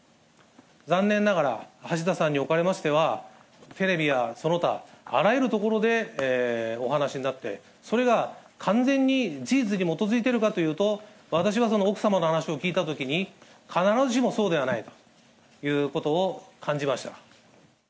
残念ながら、橋田さんにおかれましては、テレビやその他、あらゆるところでお話しになって、それが完全に事実に基づいてるかというと、私は奥様の話を聞いたときに、必ずしもそうではないということを感じました。